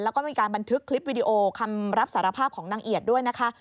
แล้วก็มีการบันทึกคลิปวิดีโอคำรับสารภาพของนางเอียดด้วยนะคะ